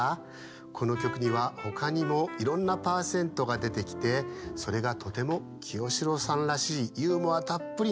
このきょくにはほかにもいろんなパーセントがでてきてそれがとても清志郎さんらしいユーモアたっぷりのすうじになっています。